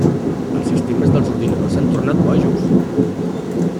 Els sistemes dels ordinadors s'han tornat bojos!